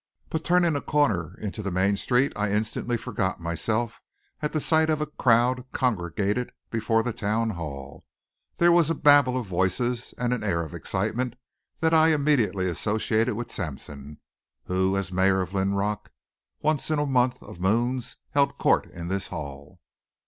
But turning a corner into the main street I instantly forgot myself at the sight of a crowd congregated before the town hall. There was a babel of voices and an air of excitement that I immediately associated with Sampson, who as mayor of Linrock, once in a month of moons held court in this hall.